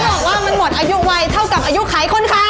แต่เขาบอกว่ามันหมดอายุวัยเท่ากับอายุไขคลค้าน